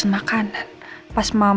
mereka gak tau tuh